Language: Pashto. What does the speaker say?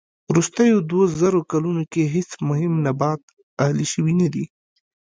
وروستيو دووزرو کلونو کې هېڅ مهم نبات اهلي شوی نه دي.